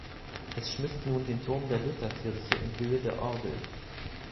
Es schmückt nun den Turm der Lutherkirche in Höhe der Orgel.